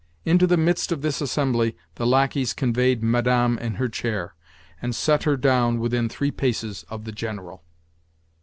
Into the midst of this assembly the lacqueys conveyed Madame in her chair, and set her down within three paces of the General!